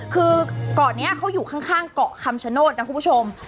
คือเกาะนี้เขาอยู่ข้างเกาะคำชโนธนะคุณผู้ชม